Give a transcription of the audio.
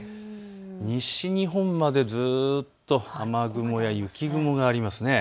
西日本までずっと雨雲や雪雲があります。